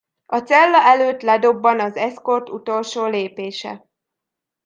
A cella előtt ledobban az escorte utolsó lépése.